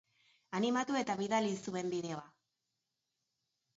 Animatu eta bidali zuen bideoa!